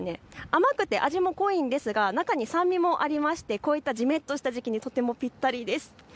甘くて味も濃いんですが中に酸味もありまして、こういったじめっとした時期にとってもぴったりです。